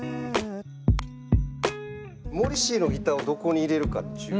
モリシーのギターをどこに入れるかっちゅう。